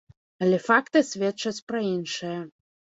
Але факты сведчаць пра іншае.